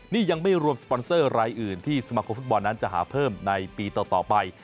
นี่ยังไม่รวมสปอนเซอร์รายอื่นที่สมาคมฟุตบอลนั้นจะหาเพิ่มในปีต่อไป